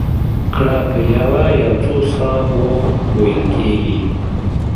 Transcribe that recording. ګړه په یوه یا څو ساه وو وېل کېږي.